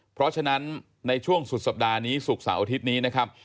เพราะฉะนั้นในช่วงสุดสัปดาห์นี้ศุกร์เสาร์อาทิตย์นี้นะครับ